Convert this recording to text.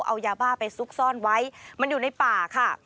เอายาบ้าไปซุกซ่อนไว้มันอยู่ในป่าค่ะ